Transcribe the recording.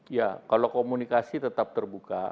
ya kalau komunikasi tetap terbuka